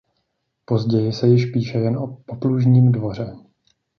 Později se již píše jen o poplužním dvoře.